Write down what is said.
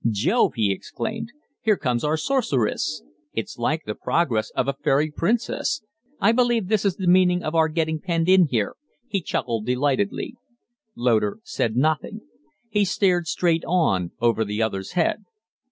"Jove!" he exclaimed. "Here comes our sorceress. It's like the progress of a fairy princess. I believe this is the meaning of our getting penned in here," he chuckled delightedly. Loder said nothing. He stared straight on over the other's head.